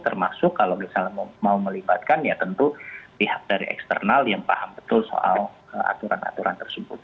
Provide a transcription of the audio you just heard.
termasuk kalau misalnya mau melibatkan ya tentu pihak dari eksternal yang paham betul soal aturan aturan tersebut